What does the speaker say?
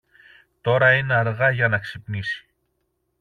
Τώρα είναι αργά για να ξυπνήσει.